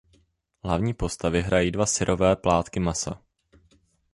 Hlavní postavy hrají dva syrové plátky masa.